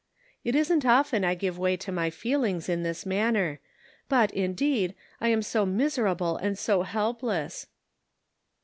It isn't often I give way to my feelings in this manner ; biit, indeed, I am so miserable and so helpless."